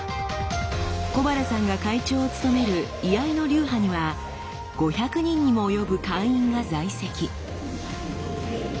小原さんが会長を務める居合の流派には５００人にも及ぶ会員が在籍。